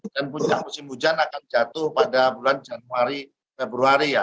dan puncak musim hujan akan jatuh pada bulan januari februari ya